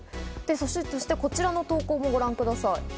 そしてこちらの投稿もご覧ください。